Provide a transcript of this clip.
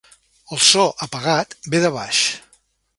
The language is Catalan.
El so, apagat, ve de baix.